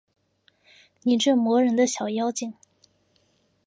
你这磨人的小妖精